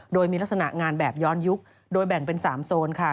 โดยมีลักษณะงานแบบย้อนยุคโดยแบ่งเป็น๓โซนค่ะ